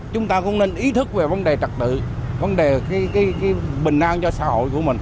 chúng ta cũng nên ý thức về vấn đề trật tự vấn đề bình an cho xã hội của mình